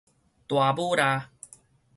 大舞抐